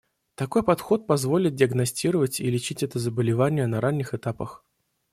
Такой подход позволит диагностировать и лечить это заболевание на ранних этапах.